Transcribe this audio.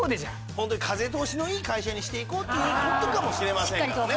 本当に風通しのいい会社にしていこうっていう事かもしれませんからね。